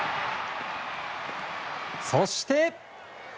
そして。